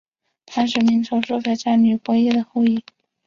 她是明朝书法家吕伯懿后裔。